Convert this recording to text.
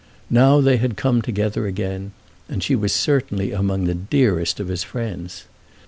Now they had come together again, and she was certainly among the dearest of his friends.